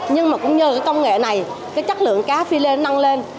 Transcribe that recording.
nhưng mà cũng nhờ cái công nghệ này cái chất lượng cá philet năng lên